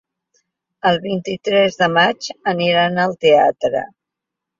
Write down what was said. El vint-i-tres de maig aniran al teatre.